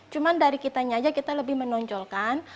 cuma dari kitanya aja kita lebih menonjolkan